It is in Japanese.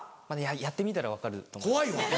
やってみたら分かると思います。